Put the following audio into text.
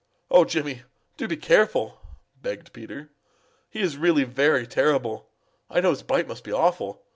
"Oh, Jimmy, do be careful!" begged Peter. "He really is very terrible. I know his bite must be awful.